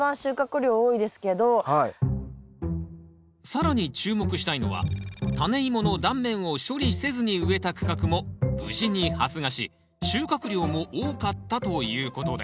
更に注目したいのはタネイモの断面を処理せずに植えた区画も無事に発芽し収穫量も多かったということです